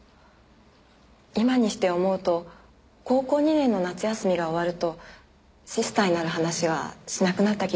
今にして思うと高校２年の夏休みが終わるとシスターになる話はしなくなった気がします。